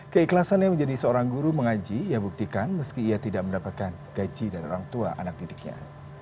keikhlasannya menjadi seorang guru mengaji ia buktikan meski ia tidak mendapatkan gaji dari orang tua anak didiknya